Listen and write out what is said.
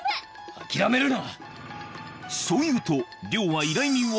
諦めるな！